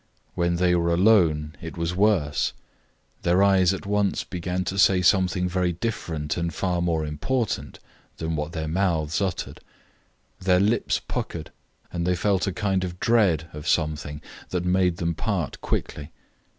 When they were alone it was worse. Their eyes at once began to say something very different and far more important than what their mouths uttered. Their lips puckered, and they felt a kind of dread of something that made them part quickly.